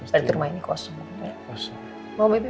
tadi rumah ini kosong gitu ya